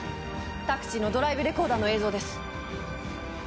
タクシーのドライブレコーダーの映像です。